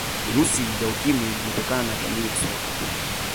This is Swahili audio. virusi vya ukimwi vimetokana na jamii ya sokwe